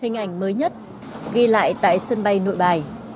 hình ảnh mới nhất ghi lại tại sân bay nội bài